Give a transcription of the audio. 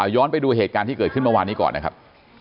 ย้อนไปดูเหตุการณ์ที่เกิดขึ้นเมื่อวานนี้ก่อนนะครับ